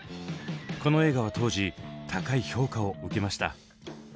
この映画は当時高い評価を受けました。